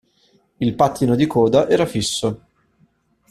Il pattino di coda era fisso.